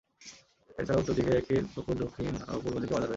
এছাড়াও উত্তর দিকে একটি পুকুর, দক্ষিণ ও পূর্ব দিকে বাজার রয়েছে।